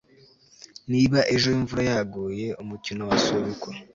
niba ejo imvura yaguye, umukino wasubikwa